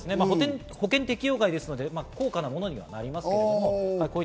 保険適用外ですので高価なものにはなります。